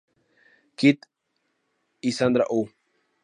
Knight y Sandra Oh.